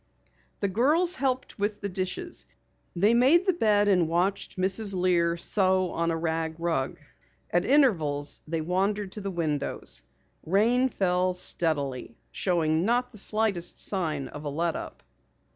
The girls helped with the dishes. They made the bed and watched Mrs. Lear sew on a rag rug. At intervals they wandered to the windows. Rain fell steadily, showing not the slightest sign of a let up.